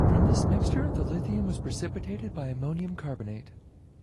From this mixture, the lithium was precipitated by ammonium carbonate.